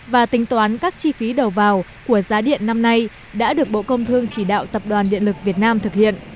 và tính toán các chi phí đầu vào của giá điện năm nay đã được bộ công thương chỉ đạo tập đoàn điện lực việt nam thực hiện